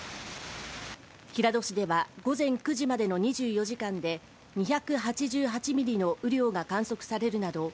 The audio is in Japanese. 平戸市では午前９時までの２４時間で２８８ミリの雨量が観測されるなど